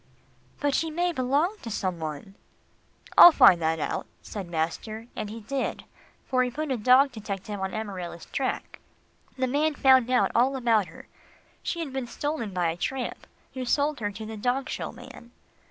"But she may belong to some one." "I'll find that out," said master, and he did, for he put a dog detective on Amarilla's track. The man found out all about her. She had been stolen by a tramp, who sold her to the dog show man.